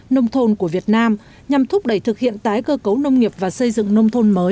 nông thôn của việt nam nhằm thúc đẩy thực hiện tái cơ cấu nông nghiệp và xây dựng nông thôn mới